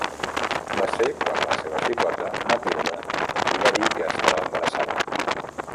Va ser quan la seva xicota, Mathilde, li va dir que estava embarassada.